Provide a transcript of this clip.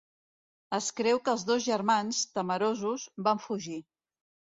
Es creu que els dos germans, temerosos, van fugir.